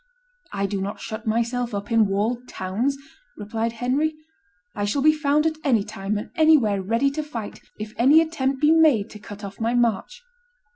"I do not shut myself up in walled towns," replied Henry; "I shall be found at any time and any where ready to fight, if any attempt be made to cut off my march."